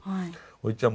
おじちゃん